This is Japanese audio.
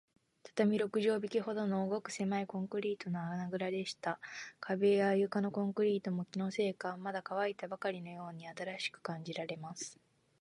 畳六畳敷きほどの、ごくせまいコンクリートの穴ぐらでした。壁や床のコンクリートも、気のせいか、まだかわいたばかりのように新しく感じられます。